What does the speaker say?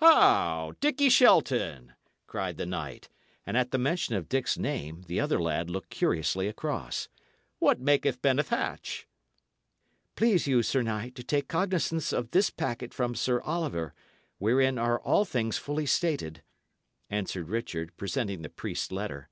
"How! Dickie Shelton!" cried the knight; and at the mention of Dick's name the other lad looked curiously across. "What maketh Bennet Hatch?" "Please you, sir knight, to take cognisance of this packet from Sir Oliver, wherein are all things fully stated," answered Richard, presenting the priest's letter.